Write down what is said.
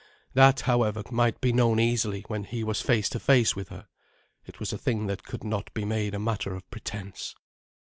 That, however, might be known easily when he was face to face with her. It was a thing that could not be made a matter of pretence.